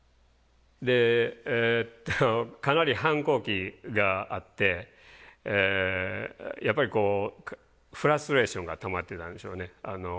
でかなり反抗期があってやっぱりこうフラストレーションがたまってたんでしょうね。